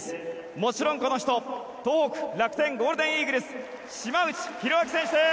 もちろんこの人東北楽天ゴールデンイーグルス島内宏明選手です。